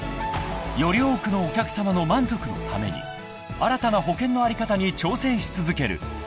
［より多くのお客さまの満足のために新たな保険の在り方に挑戦し続ける］